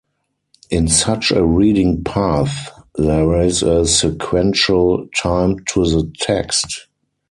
In such a reading path, there is a sequential time to the text.